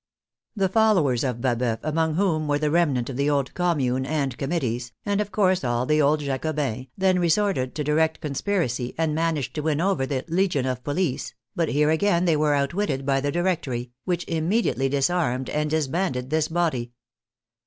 The followers of Baboeuf, among whom were the remnant of the old Commune and Committees, and of course all the old Jacobins, then re sorted to direct conspiracy and managed to win over the " legion of police," but here again they were outwitted by the Directory, which immediately disarmed and dis banded this body.